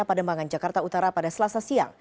pada mangan jakarta utara pada selasa siang